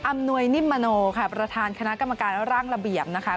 หน่วยนิมมโนค่ะประธานคณะกรรมการร่างระเบียบนะคะ